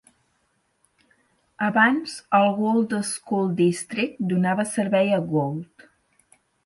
Abans el Gould School District donava servei a Gould.